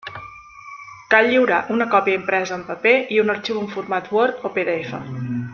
Cal lliurar una còpia impresa en paper i un arxiu en format Word o PDF.